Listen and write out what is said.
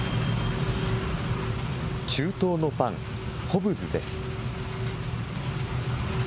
中東のパン、ホブズです。